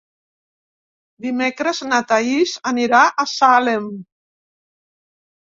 Dimecres na Thaís anirà a Salem.